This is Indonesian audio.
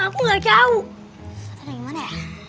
aku gak jauh